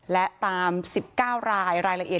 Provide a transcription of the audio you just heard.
และตาม๑๙รายรายละเอียด